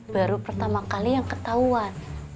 baru pertama kali yang ketahuan